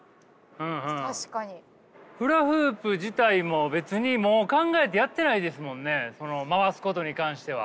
フラフープ自体も別にもう考えてやってないですもんね回すことに関しては。